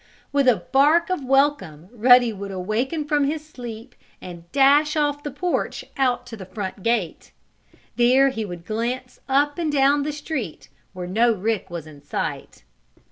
With a bark of welcome Ruddy would awaken from his sleep and dash off the porch out to the front gate. There he would glance up and down the street, where no Rick was in sight.